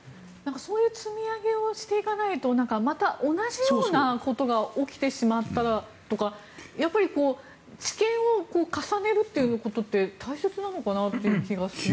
そういう積み上げをしていかないとまた同じようなことが起きてしまったらとかやっぱり、知見を重ねることって大切なことだと思うんですが。